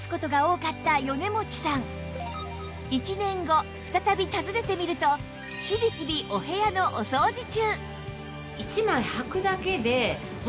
１年後再び訪ねてみるとキビキビお部屋のお掃除中！